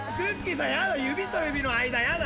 さん指と指の間やだ！